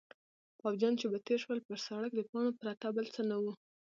پوځیان چې به تېر شول پر سړک د پاڼو پرته بل څه نه وو.